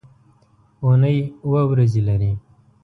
اونۍ اووه ورځې لري.